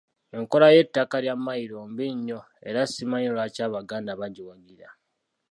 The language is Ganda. Enkola y’ettaka lya mayiro mbi nnyo era simanyi lwaki Abaganda bagiwagira.